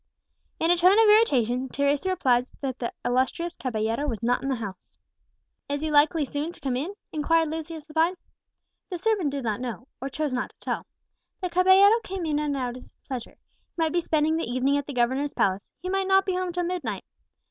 In a tone of irritation Teresa replied that the illustrious caballero was not in the house. "Is he likely soon to come in?" inquired Lucius Lepine. The servant did not know, or chose not to tell. The caballero came in and out at his pleasure: he might be spending the evening at the governor's palace, he might not be home till midnight.